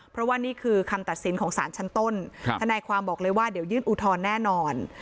เพราะว่านี่คือคำตัดสินของสารชั้นต้นทนายความบอกเลยว่าเดี๋ยวยื่นอุทธรณ์แน่นอน